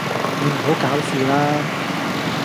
你唔好搞事啦